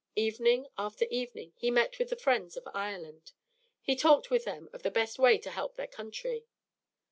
Evening after evening he met with the friends of Ireland. He talked with them of the best way to help their country.